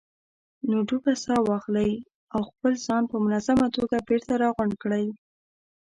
نو ډوبه ساه واخلئ او خپل ځان په منظمه توګه بېرته راغونډ کړئ.